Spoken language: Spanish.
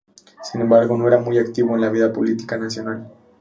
Sin embargo, no era muy activo en la vida política nacional.